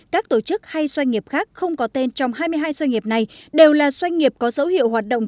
các tổ chức hay doanh nghiệp khác không có tên trong hai mươi hai doanh nghiệp này đều là doanh nghiệp có dấu hiệu hoạt động